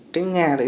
cái nhà đấy